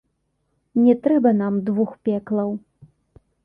Не трэба нам двух пеклаў.